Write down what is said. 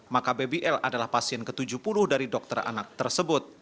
maka bbl adalah pasien ke tujuh puluh dari dokter anak tersebut